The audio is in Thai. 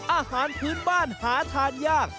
อาหารพื้นบ้านหาทานยาก